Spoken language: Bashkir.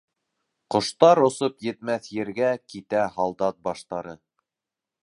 Ҡоштар осоп етмәҫ ергә Китә һалдат баштары.